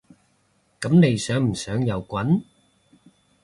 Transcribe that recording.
噉你想唔想有棍？